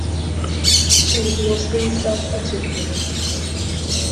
She was mostly self-educated.